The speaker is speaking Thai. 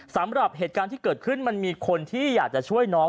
สำหรับเหตุการณ์ที่เกิดขึ้นมันมีคนที่อยากจะช่วยน้อง